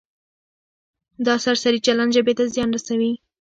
دا سرسري چلند ژبې ته زیان رسوي.